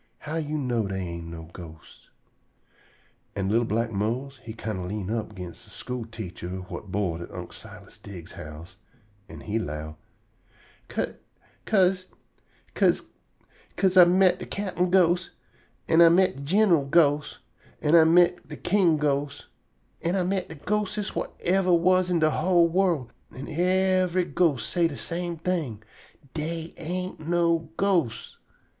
How you know dey ain't no ghosts?" An' li'l black Mose he kinder lean up 'g'inst de school teacher whut board at Unc' Silas Diggs's house, an' he 'low: "'Ca'se 'ca'se 'ca'se I met de cap'n ghost, an' I met de gin'ral ghost, an' I met de king ghost, an' I met all de ghostes whut yever was in de whole worl', an' yevery ghost say de same thing: 'Dey ain't no ghosts.'